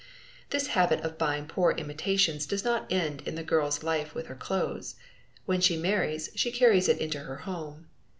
This habit of buying poor imitations does not end in the girl's life with her clothes. When she marries, she carries it into her home.